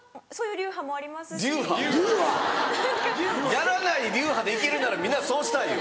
流派？やらない流派で行けるなら皆そうしたいよ。